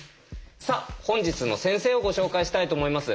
さあ本日の先生をご紹介したいと思います。